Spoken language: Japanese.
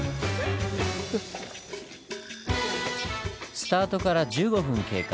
スタートから１５分経過。